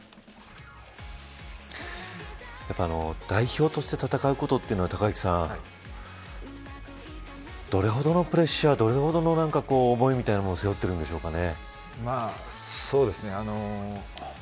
代表として戦うことというのは隆行さんどれほどのプレッシャーどれほどの思いみたいなものと背負ってるんでしょうかね。